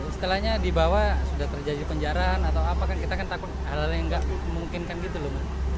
setelahnya dibawa sudah terjadi penjarahan atau apa kan kita kan takut hal hal yang nggak memungkinkan gitu loh